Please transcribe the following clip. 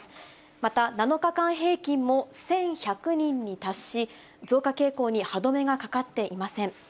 また７日間平均も１１００人に達し、増加傾向に歯止めがかかっていません。